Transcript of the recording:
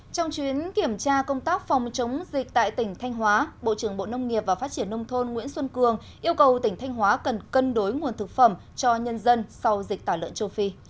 trong chuyến kiểm tra công tác phòng chống dịch tại tỉnh thanh hóa bộ trưởng bộ nông nghiệp và phát triển nông thôn nguyễn xuân cường yêu cầu tỉnh thanh hóa cần cân đối nguồn thực phẩm cho nhân dân sau dịch tả lợn châu phi